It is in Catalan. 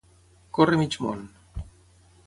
Córrer mig món.